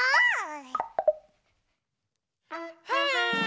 はい！